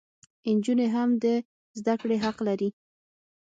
انجونې هم د زدکړي حق لري